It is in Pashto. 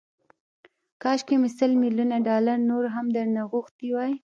کاشکي مې سل ميليونه ډالر نور هم درنه غوښتي وای.